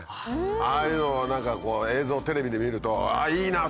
ああいうの映像テレビで見ると「あいいな」と思う。